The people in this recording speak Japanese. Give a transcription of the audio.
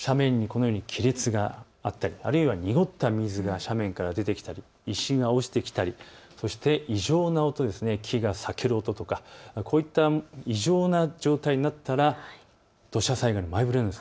斜面にこのように亀裂があったり、濁った水が斜面から出てきたり石が落ちてきたり、異常な音、木が裂ける音とかこういった異常な状態になったら土砂災害の前触れです。